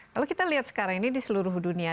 kalau kita lihat sekarang ini di seluruh dunia